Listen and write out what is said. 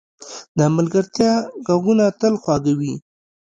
د ملګرتیا ږغونه تل خواږه وي.